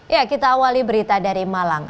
ya kita awali berita dari malang